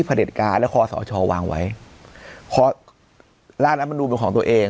ผลิตการและคอสอชอวางไว้คอร้านลำมนุมเป็นของตัวเอง